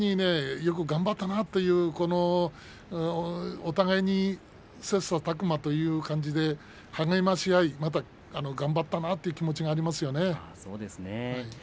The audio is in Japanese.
よく頑張ったなという話をお互いに切さたく磨という感じで励まし合いまた頑張ったなという気持ちがありますよね。